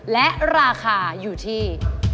และราคาอยู่ที่